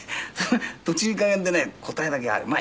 途中いい加減でね答えだけある。